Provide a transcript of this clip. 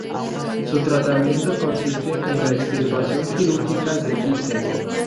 Su tratamiento consiste en la extirpación quirúrgica del quiste.